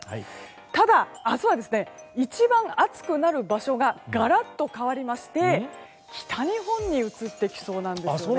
ただ、明日は一番暑くなる場所がガラッと変わりまして北日本に移ってきそうです。